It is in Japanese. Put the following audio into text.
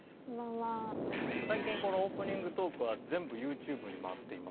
最近このオープニングトークは全部ＹｏｕＴｕｂｅに回っています。